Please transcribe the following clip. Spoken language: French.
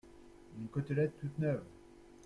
Une côtelette toute neuve !…